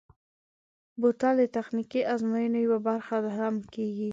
بوتل د تخنیکي ازموینو یوه برخه هم کېږي.